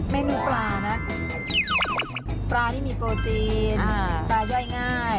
เมนูปลานะปลานี่มีโปรตีนปลาย่อยง่าย